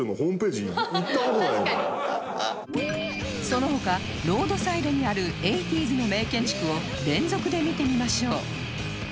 その他ロードサイドにある ８０’ｓ の名建築を連続で見てみましょう